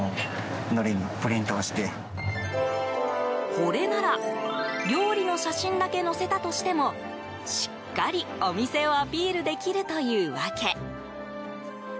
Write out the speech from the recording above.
これなら料理の写真だけ載せたとしてもしっかり、お店をアピールできるというわけ。